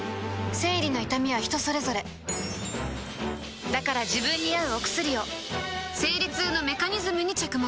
生理の痛みは人それぞれだから自分に合うお薬を生理痛のメカニズムに着目